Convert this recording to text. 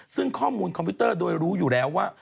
ซึ่งข้อมูลคอมพิวเตอร์โดยรู้อยู่แล้วว่า